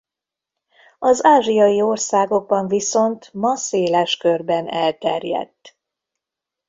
Az ázsiai országokban viszont ma széles körben elterjedt.